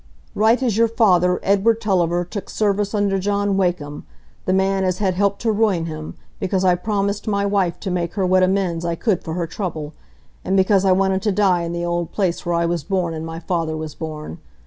"Write as your father, Edward Tulliver, took service under John Wakem, the man as had helped to ruin him, because I'd promised my wife to make her what amends I could for her trouble, and because I wanted to die in th' old place where I was born and my father was born.